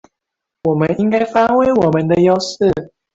我們應該發揮我們的優勢